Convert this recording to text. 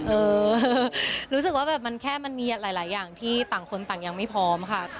เออรู้สึกว่าแบบมันแค่มันมีหลายอย่างที่ต่างคนต่างยังไม่พร้อมค่ะ